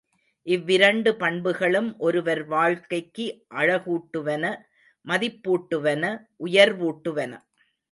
இவ்விரண்டு பண்புகளும் ஒருவர் வாழ்க்கைக்கு அழகூட்டுவன மதிப்பூட்டுவன உயர்வூட்டுவன.